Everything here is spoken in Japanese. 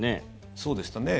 そうでしたね。